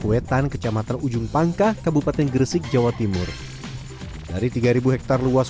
wetan kecamatan ujung pangkah kabupaten gresik jawa timur dari tiga ribu hektare luas